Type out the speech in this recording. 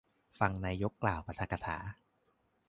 ฟังนายกกล่าวปาฐกถา